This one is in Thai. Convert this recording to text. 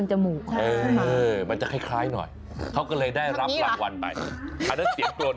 มีหมูหลายสายพันธุ์นะครับ